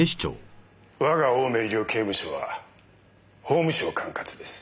我が青梅医療刑務所は法務省管轄です。